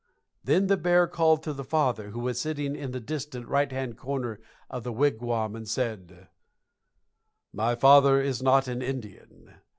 Then the bear called to the father, who was sitting in the distant right hand corner of the wigwam, and said: "My father is not an Indian.